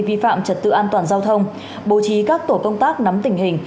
vi phạm trật tự an toàn giao thông bố trí các tổ công tác nắm tình hình